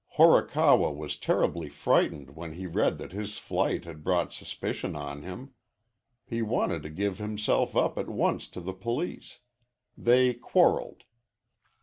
Horikawa was terribly frightened when he read that his flight had brought suspicion on him. He wanted to give himself up at once to the police. They quarreled.